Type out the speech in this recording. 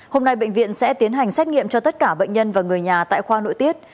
hôm nay bệnh viện sẽ tiến hành xét nghiệm cho tất cả bệnh nhân và người nhà tại khoa nội tiết